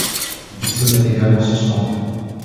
Dixon est également suspendu.